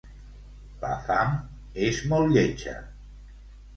La fam és molt lletja.